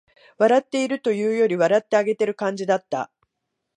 笑っているというより、笑ってあげてる感じだった